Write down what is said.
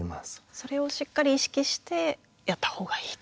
それをしっかり意識してやった方がいいと。